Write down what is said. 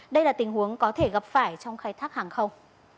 đây là tình huống có thể gặp phải trong khai thác hàng không